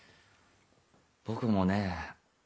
僕もね